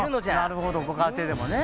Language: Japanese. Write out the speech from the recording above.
なるほどご家庭でもね。